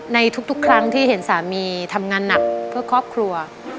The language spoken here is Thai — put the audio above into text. ในทุกครั้งที่เห็นสามีทำงานหนักเพื่อครอบครัว